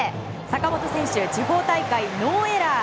坂本選手、地方大会ノーエラー。